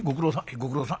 「ご苦労さん」。